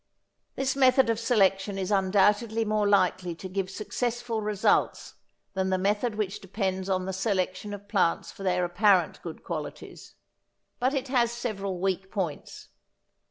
This method of selection is undoubtedly more likely to give successful results than the method which depends on the selection of plants for their apparent good qualities; but it has several weak points.